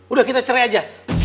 udah kita cerai aja